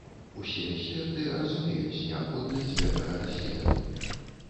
Усе эксперты разумеюць неабходнасць гэтага даследавання.